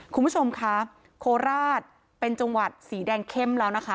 คุณผู้ชมคะโคราชเป็นจังหวัดสีแดงเข้มแล้วนะคะ